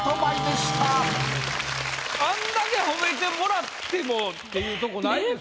あんだけ褒めてもらってもっていうとこないですか？